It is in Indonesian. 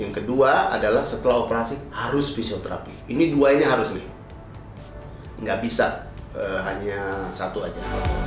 yang kedua adalah setelah operasi harus fisioterapi ini dua ini harus nih nggak bisa hanya satu aja